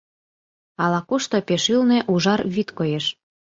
Ала-кушто пеш ӱлнӧ ужар вӱд коеш.